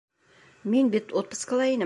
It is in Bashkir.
Мин бит отпускыла инем.